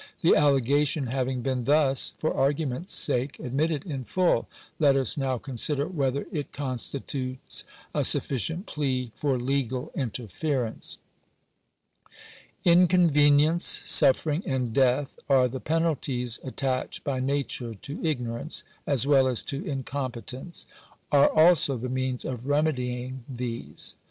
The allegation having been thus, for argument's sake, admitted in full, let us now consider whether it constitutes a sufficient plea for legal interference. Inconvenience, suffering, and death, are the penalties at tached by nature to ignorance, as well as to incompetence — are also the means of remedying these.